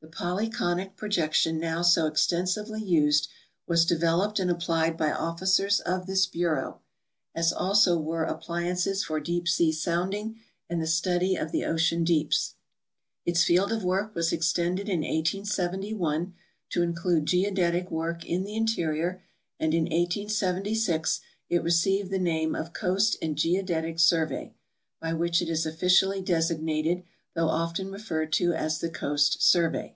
Tlie pol3^conic projection now so extensivel}^ used was developed and applied by officers of this bureau, as also were appliances for deep sea sounding and the stud}' of the ocean deeps. Its field of work was extended in 1871 to include geodetic work in the interior, and in 1876 it received the name of Coast and Geodetic Survey, by which it is official!}' designated, though often referred to as the Coast Survey.